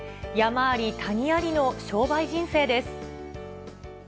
山あり谷ありの商売人生です。